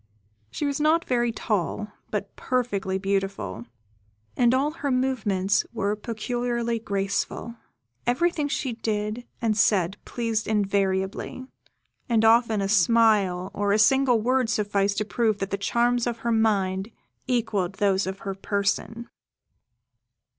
She was not very tall, but perfectly beautiful, and all her movements were peculiarly graceful. Everything she did and said pleased invariably, and often a smile or a single word sufficed to prove that the charms of her mind equalled those of her person.